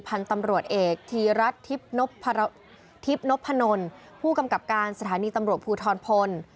พันธุ์ตำรวจเอกธีรัฐทิพย์ทิพย์นพนลผู้กำกับการสถานีตำรวจภูทรพล